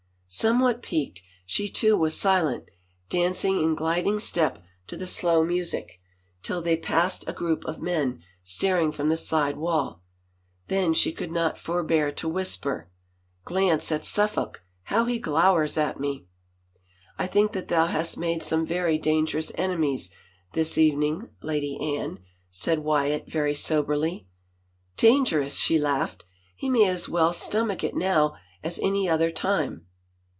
Somewhat piqued, she too was silent, dancing in gliding step to the slow music, till they passed a group of men staring from the side wall. Then she could not forbear to whisper, " Glance at Suffolk — how he glowers at me 1 "" I think that thou hast made some very dangerous enemies, this evening. Lady Anne," said Wyatt very soberly. " Dangerous ?" she laughed. " He may as well stom ach it now as any other time